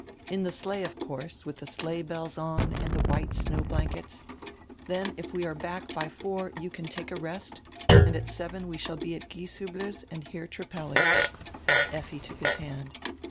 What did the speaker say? In the sleigh, of course, with tire sleigh bells on and the white snow blankets. Then if we are back by four you can take a rest, and at seven we shall be at Gieshiibler's and hear Trippelli." Effi took his hand.